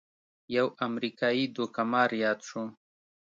یو امریکايي دوکه مار یاد شو.